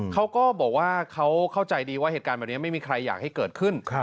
เขาก็บอกว่าเขาเข้าใจดีว่าเหตุการณ์แบบนี้ไม่มีใครอยากให้เกิดขึ้น